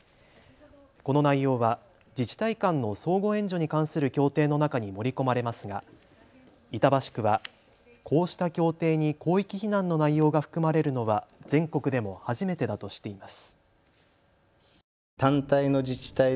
この内容は自治体間の相互援助に関する協定の中に盛り込まれますが板橋区はこうした協定に広域避難の内容が含まれるのは全国でも初めてだとしています。